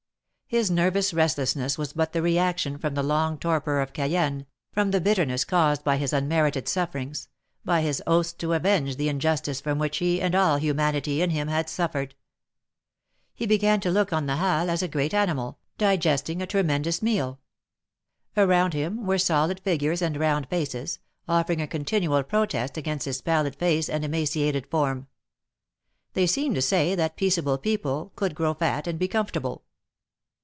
His nervous restlessness was but the reaction from the long torpor of Cayenne, from the bitterness caused by his unmerited sufferings, by his oaths to avenge the injustice from which he and all humanity in him had suffered, l/ He began to look on the Halles as a great animal, digesting a tremendous meal. Around him were solid figures and round faces, offering a continual protest against his pallid face and emaciated form. They seemed to say that peaceable people could grow fat and be comfortable.